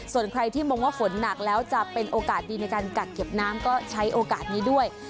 ส่วนใครที่มองว่าฝนหนักแล้วจะเป็นโอกาสดีในการกักเก็บน้ำก็ใช้โอกาสนี้ด้วย